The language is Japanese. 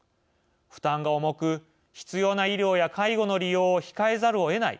負担が重く、必要な医療や介護の利用を控えざるをえない。